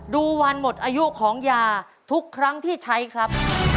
ดูวันหมดอายุของยาทุกครั้งที่ใช้ครับ